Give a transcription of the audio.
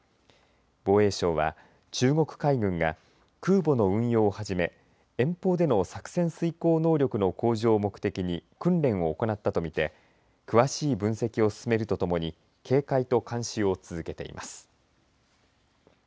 防衛省は中国海軍が空母の運用をはじめ遠方での作戦遂行能力の向上を目的に訓練を行ったとみて詳しい分析を進めるとともに警戒と監視を続けています。